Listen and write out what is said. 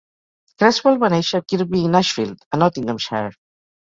Cresswell va néixer a Kirkby-in-Ashfield, a Nottinghamshire.